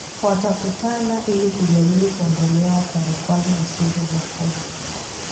Watakutana ili kujadili kuondolewa kwa vikwazo visivyo vya kodi